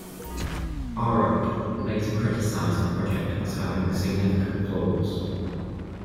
Arup later criticised the project as having significant flaws.